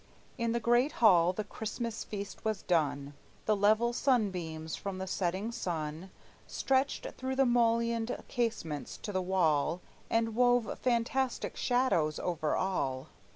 In the great hall the Christmas feast was done. The level sunbeams from the setting sun Stretched through the mullioned casements to the wall, And wove fantastic shadows over all.